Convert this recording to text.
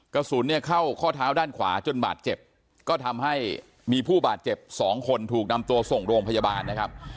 กระสุนเนี่ยเข้าข้อเท้าด้านขวาจนบาดเจ็บก็ทำให้มีผู้บาดเจ็บสองคนถูกนำตัวส่งโรงพยาบาลนะครับ